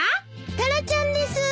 タラちゃんです。